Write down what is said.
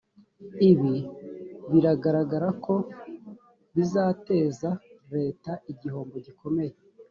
ibi biragaragara ko bizateza leta igihombo gikomeye